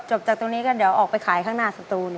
จากตรงนี้ก็เดี๋ยวออกไปขายข้างหน้าสตูน